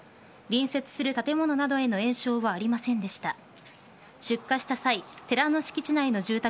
隣接する建物などへの延焼はありませんでした。